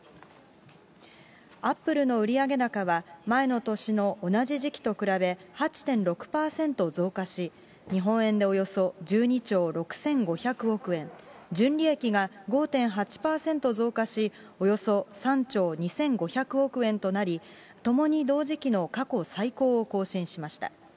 アップルの売上高は前の年の同じ時期と比べ、８．６％増加し、日本円でおよそ１２兆６５００億円、純利益が５．８％増加し、およそ３兆２５００億円となり、ともに、同時期の過去最高を更新しました。